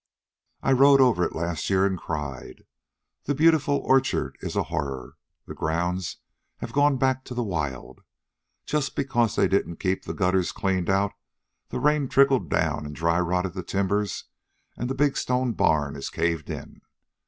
I rode over it last year, and cried. The beautiful orchard is a horror. The grounds have gone back to the wild. Just because they didn't keep the gutters cleaned out, the rain trickled down and dry rotted the timbers, and the big stone barn is caved in.